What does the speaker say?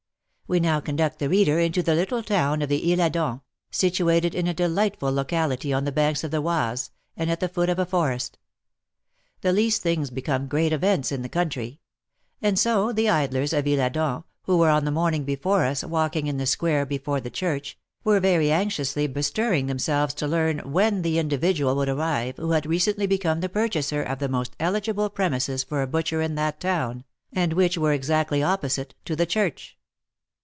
We now conduct the reader into the little town of the Isle Adam, situated in a delightful locality on the banks of the Oise, and at the foot of a forest. The least things become great events in the country; and so the idlers of Isle Adam, who were on the morning before us walking in the square before the church, were very anxiously bestirring themselves to learn when the individual would arrive who had recently become the purchaser of the most eligible premises for a butcher in that town, and which were exactly opposite to the church.